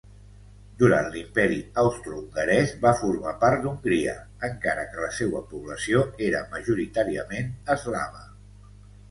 Durant l'Imperi austrohongarès, va formar part d'Hongria, encara que la seua població era majoritàriament eslava.